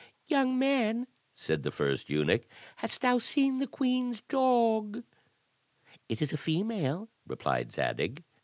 "Young man," said the first eimuch, "hast thou seen the queen's dog?" "It is a female," replied Zadig.